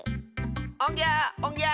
おんぎゃおんぎゃ！